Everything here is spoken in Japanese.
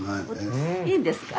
いいんですか？